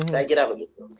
saya kira begitu